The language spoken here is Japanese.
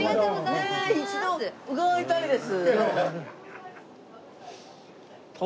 ねえ一度伺いたいです。